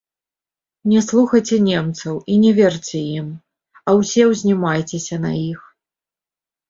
Не слухайце немцаў і не верце ім, а ўсе ўзнімайцеся на іх.